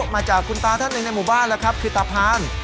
มาจากคุณตาท่านหนึ่งในหมู่บ้านแล้วครับคือตาพาน